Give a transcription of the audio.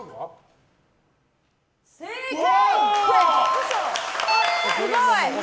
正解！